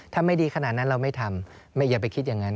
ถ้าไม่ดีขนาดนั้นเราไม่ทำอย่าไปคิดอย่างนั้น